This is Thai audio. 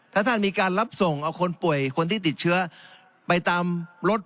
ถ้าท่านมีการรับส่งเอาคนป่วยคนที่ติดเชื้อไปตามรถ